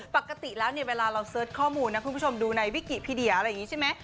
ปกติแล้วเนี่ยเวลาเราเสิร์ชข้อมูลนะคุณผู้ชมดูในวิกิพีเดียอะไรอย่างนี้ใช่ไหม